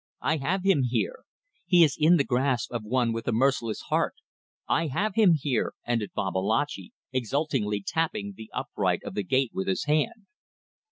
I have him here. He is in the grasp of one with a merciless heart. I have him here," ended Babalatchi, exultingly tapping the upright of the gate with his hand.